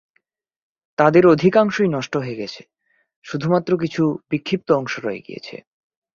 তাদের অধিকাংশই নষ্ট হয়ে গেছে; শুধুমাত্র কিছু বিক্ষিপ্ত অংশ রয়ে গিয়েছে।